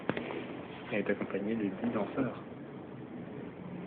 Elle est accompagnée de dix danseurs.